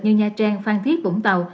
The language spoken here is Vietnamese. như nha trang phan thiết vũng tàu